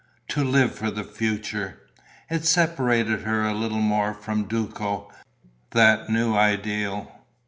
To live for the future!... It separated her a little more from Duco, that new ideal.